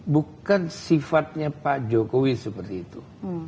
bukan sifatnya pak jokowi seperti itu